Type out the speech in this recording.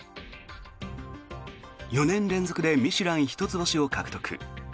４年連続でミシュラン１つ星を獲得。